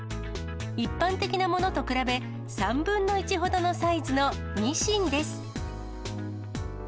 一般的なものと比べ、３分の１ほどのサイズのミシンです。